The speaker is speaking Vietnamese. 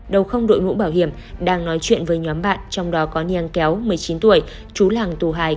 đầu không đội ngũ bảo hiểm đang nói chuyện với nhóm bạn trong đó có niang kéo một mươi chín tuổi chú làng tu hai